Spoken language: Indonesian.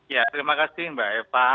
ya terima kasih mbak eva